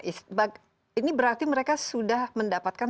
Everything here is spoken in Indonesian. isbat ini berarti mereka sudah mendapatkan